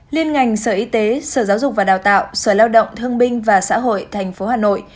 liên ngành sở y tế sở giáo dục và đào tạo sở lao động thương binh và xã hội tp hà nội